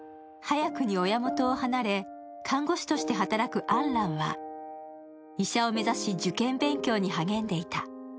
早くに親元を離れ、看護師として働くアン・ランは医者を目指し受験勉強に励んでいた。